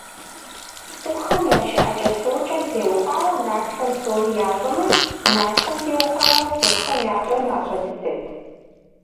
ЦӀыхухэм я щыӀэкӀэ–псэукӀэм теухуауэ нартхэм псори ящӀэмэ, нартхэм теухуауэ цӀыхухэм ящӀэр мащӀэ дыдэт.